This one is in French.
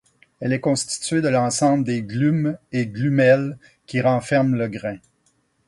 Elle est constituée de l'ensemble des glumes et glumelles qui renferment le grain.